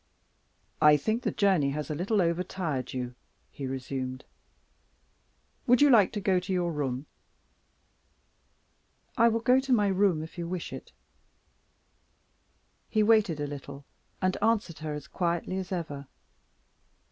"I think the journey has a little over tired you," he resumed. "Would you like to go to your room?" "I will go to my room, if you wish it." He waited a little, and answered her as quietly as ever.